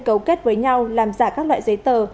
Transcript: cấu kết với nhau làm giả các loại giấy tờ